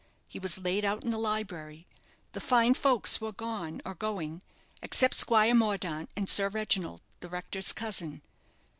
He was laid out in the library. The fine folks were gone, or going, except Squire Mordaunt and Sir Reginald, the rector's cousin.